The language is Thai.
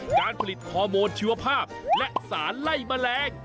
การผลิตฮอร์โมนชีวภาพและสารไล่แมลง